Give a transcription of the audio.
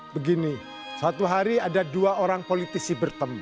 begini satu hari ada dua orang politisi bertemu